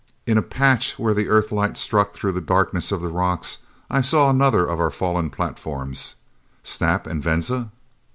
In a patch where the Earthlight struck through the darkness of the rocks, I saw another of our fallen platforms! Snap and Venza?